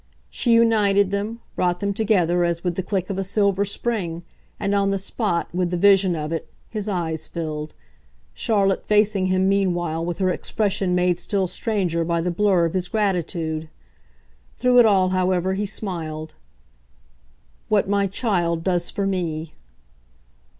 She united them, brought them together as with the click of a silver spring, and, on the spot, with the vision of it, his eyes filled, Charlotte facing him meanwhile with her expression made still stranger by the blur of his gratitude. Through it all, however, he smiled. "What my child does for me